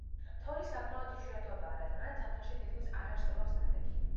თოვლი საკმაოდ იშვიათობაა, რადგანაც ზამთარში თითქმის არ არსებობს ნალექი.